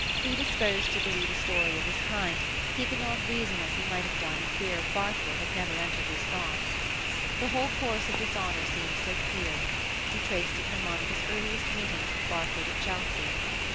Predisposed to believe a story of this kind, he could not reason as he might have done if fear of Barfoot had never entered his thoughts. The whole course of dishonour seemed so clear; he traced it from Monica's earliest meetings with Barfoot at Chelsea.